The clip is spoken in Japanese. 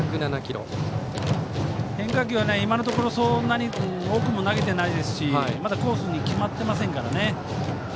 変化球は今のところそんなに多く投げてないですしまだコースに決まっていませんから。